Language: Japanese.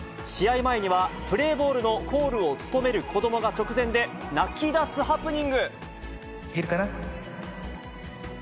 試合前にはプレーボールのコールを務める子どもが直前で泣き出す言えるかな？